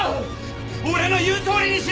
俺の言うとおりにしろ！